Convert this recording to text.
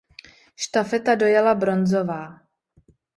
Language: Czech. Štafeta dojela bronzová.